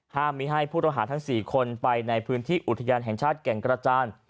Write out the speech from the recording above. ไม่ให้ผู้ต้องหาทั้ง๔คนไปในพื้นที่อุทยานแห่งชาติแก่งกระจาน